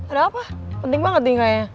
ada apa penting banget nih kayaknya